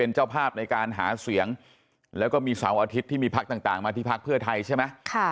เจ้าภาพในการหาเสียงแล้วก็มีเสาร์อาทิตย์ที่มีพักต่างมาที่พักเพื่อไทยใช่ไหม